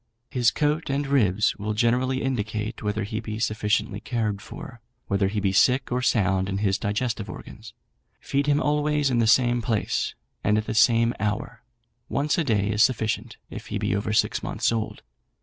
His coat and ribs will generally indicate whether he be sufficiently cared for, whether he be sick or sound in his digestive organs; feed him always in the same place, and at the same hour: once a day is sufficient, if he be over six months old.